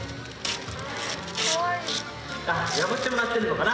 あっ破ってもらってんのかな？